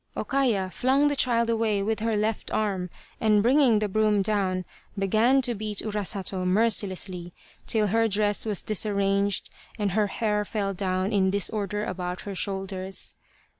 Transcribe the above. O Kaya flung the child away with her left arm, and bringing the broom down, began to beat Urasato mercilessly till her dress was disarranged and her hair fell down in disorder about her shoulders.